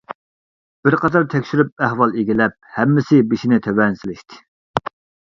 بىر قاتار تەكشۈرۈپ ئەھۋال ئىگىلەپ، ھەممىسى بېشىنى تۆۋەن سېلىشتى.